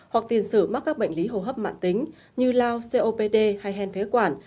hoặc tiền sử mắc các bệnh lý hồ hấp mạng tính như lao copd hay hen phế quản